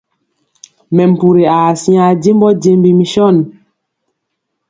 Mɛmpuri aa siŋa jembɔ jembi misɔn.